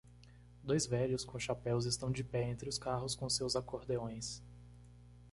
Dois velhos com chapéus estão de pé entre os carros com seus acordeões.